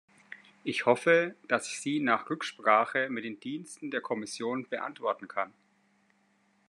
Ich hoffe, dass ich sie nach Rücksprache mit den Diensten der Kommission beantworten kann.